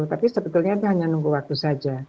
tapi sebetulnya itu hanya nunggu waktu saja